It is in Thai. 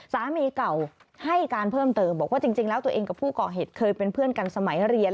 สามีเก่าให้การเพิ่มเติมบอกว่าจริงแล้วตัวเองกับผู้ก่อเหตุเคยเป็นเพื่อนกันสมัยเรียน